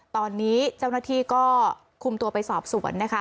ตอนนี้เจ้าหน้าที่ก็คุมตัวไปสอบสวนนะคะ